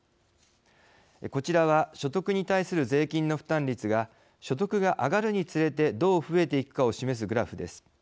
こちらは所得に対する税金の負担率が所得が上がるにつれてどう増えていくかを示すグラフです。